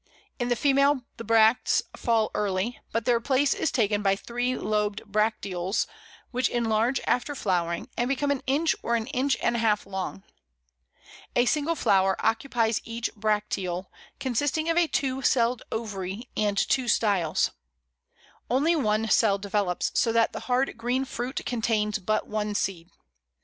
In the female the bracts fall early, but their place is taken by three lobed bracteoles, which enlarge after flowering, and become an inch or an inch and a half long. A single flower occupies each bracteole, consisting of a two celled ovary and two styles. Only one cell develops, so that the hard green fruit contains but one seed.